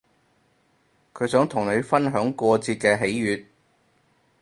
佢想同你分享過節嘅喜悅